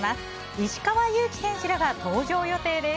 石川祐希選手らが登場予定です。